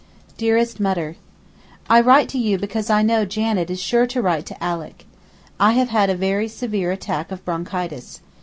DEAREST MUTTER, I write to you because I know Janet is sure to write to Alick. I have had a very severe attack of bronchitis.